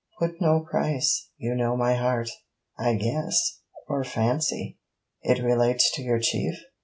'Put no price. You know my heart. I guess or fancy. It relates to your Chief?'